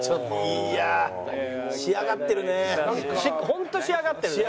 本当仕上がってるね。